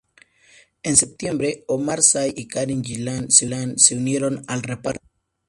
En septiembre, Omar Sy y Karen Gillan se unieron al reparto.